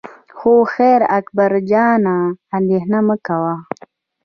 خو خیر اکبر جانه اندېښنه مه کوه.